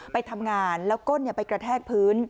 ไปทำงานแล้วก้นไปกระแทกพื้น